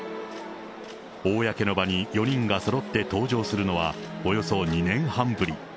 公の場に４人がそろって登場するのは、およそ２年半ぶり。